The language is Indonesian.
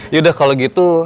yaudah kalau gitu